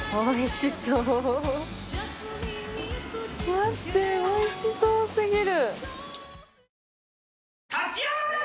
待っておいしそう過ぎる！